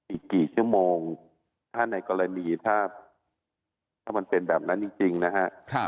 อีกกี่ชั่วโมงถ้าในกรณีถ้ามันเป็นแบบนั้นจริงนะฮะ